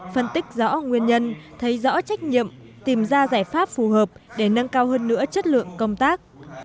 phân tích rõ nguyên nhân thấy rõ trách nhiệm tìm ra giải pháp phù hợp để nâng cao hơn nữa chất lượng công tác